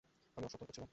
আমি অসতর্ক ছিলাম।